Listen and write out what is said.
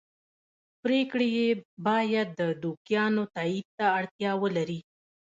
پرېکړې یې باید د دوکیانو تایید ته اړتیا ولري.